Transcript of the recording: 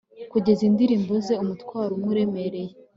kugeza indirimbo ze umutwaro umwe uremereye